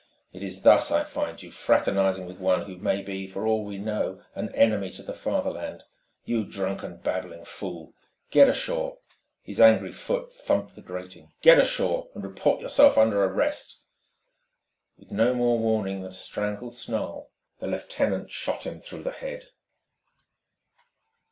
It is thus I find you, fraternising with one who may be, for all we know, an enemy to the Fatherland. You drunken, babbling fool! Get ashore!" His angry foot thumped the grating. "Get ashore, and report yourself under arrest!" With no more warning than a strangled snarl, the lieutenant shot him through the head.